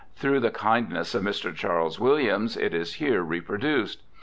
Through the kindness of Mr. Charles Williams, it is here reproduced.